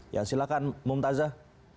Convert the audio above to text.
ya silahkan mumtazah